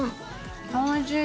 おいしい！